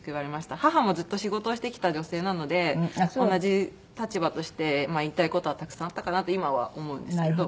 母もずっと仕事をしてきた女性なので同じ立場として言いたい事はたくさんあったかなって今は思うんですけど。